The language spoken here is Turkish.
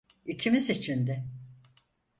İkimiz için de.